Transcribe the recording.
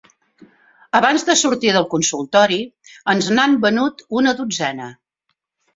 Abans de sortir del consultori ens n'ha venut una dotzena.